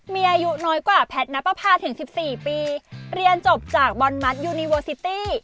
มีอายุน้อยกว่าแพทย์นับประพาถึง๑๔ปีเรียนจบจากบอลมัสยูนิเวอร์ซิตี้